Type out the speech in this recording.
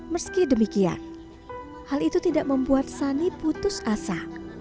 meski demikian hal itu tidak membuat sani putus asa